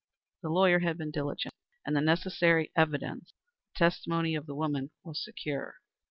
The lawyer had been diligent, and the necessary evidence the testimony of the woman was secure.